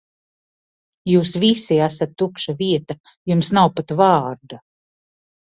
Jūs visi esat tukša vieta, jums nav pat vārda.